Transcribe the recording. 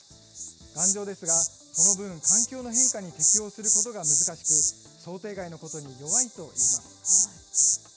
頑丈ですが、その分、環境の変化に適応することが難しく、想定外のことに弱いといいます。